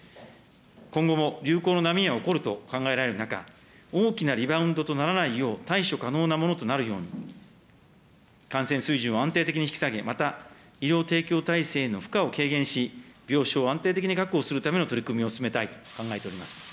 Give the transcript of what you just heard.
今後も流行の波が起こると考えられる中、大きなリバウンドとならないよう、対処可能なものとなるように、感染水準を安定的に引き下げ、また医療提供体制の負荷を軽減し、病床を安定的に確保するための取り組みを進めたいと考えております。